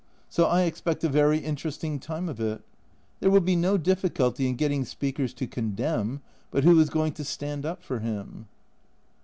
So I expect a very interesting time of it ; there will be no difficulty in getting speakers to condemn, but who is going to stand up for him